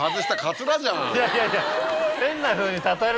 いやいやいや。